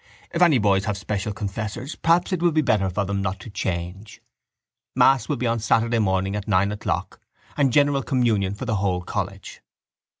If any boys have special confessors perhaps it will be better for them not to change. Mass will be on Saturday morning at nine o'clock and general communion for the whole college.